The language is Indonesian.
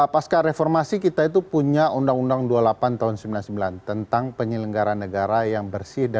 pas ke reformasi kita itu punya undang undang dua puluh delapan tahun sembilan puluh sembilan tentang penyelenggaran negara yang bersih